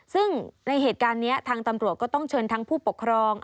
ซึ่งในเหตุการณ์นี้ทางตำรวจก็ต้องเชิญทั้งผู้ปกครอง